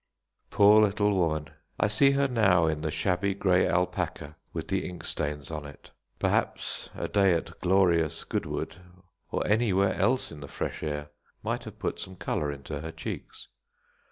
Poor little woman! I see her now in the shabby grey alpaca, with the inkstains on it. Perhaps a day at "Glorious Goodwood," or anywhere else in the fresh air, might have put some colour into her cheeks.